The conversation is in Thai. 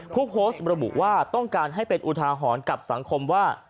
ผู้โพสต์ระบุว่าต้องการให้เป็นอุทาหรณ์กับสังคมว่า